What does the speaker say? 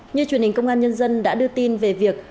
như truyền hình công an nhân dân đã đưa tin về việc